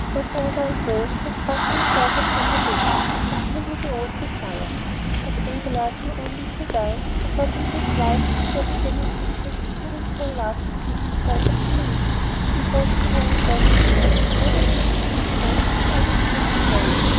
Wheresoever I go, they thrust themselves upon my vision, and rekindle the old desire. But Abelard knew only too well that not in this life could there be anything save spiritual love between himself and Heloise. He wrote to her again and again, always in the same remote and unimpassioned way.